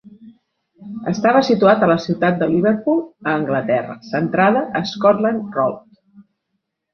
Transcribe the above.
Estava situat a la ciutat de Liverpool a Anglaterra, centrada a Scotland Road.